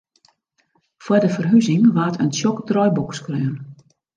Foar de ferhuzing waard in tsjok draaiboek skreaun.